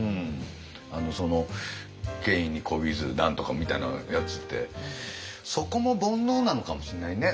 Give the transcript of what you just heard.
その権威にこびず何とかみたいなやつってそこも煩悩なのかもしれないね。